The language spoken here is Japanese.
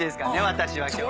私は今日。